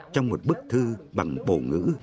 trong một bức thư bằng bổ ngữ